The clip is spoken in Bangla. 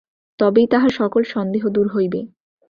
তবেই তাহার সকল সন্দেহ দূর হইবে।